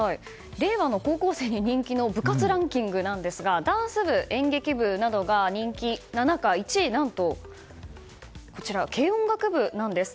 令和の高校生に人気の部活ランキングなんですがダンス部、演劇部などが人気な中１位は軽音楽部なんです。